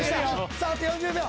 さああと４０秒。